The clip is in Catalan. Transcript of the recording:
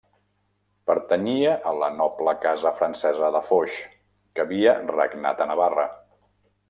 Pertanyia a la noble casa francesa de Foix, que havia regnat a Navarra.